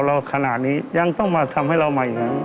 ขนาดนี้ยังต้องมาทำให้เรามาอย่างนั้น